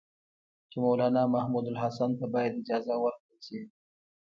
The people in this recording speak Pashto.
چې مولنا محمودالحسن ته باید اجازه ورکړل شي.